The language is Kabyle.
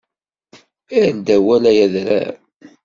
Err-d awal ay adrar!